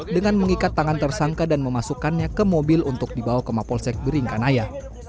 dengan mengikat tangan tersangka dan memasukkannya ke mobil untuk dibawa ke mapolsek beringkanaya